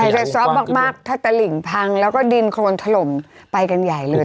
กระซอบมากถ้าตะหลิ่งพังแล้วก็ดินโครนถล่มไปกันใหญ่เลย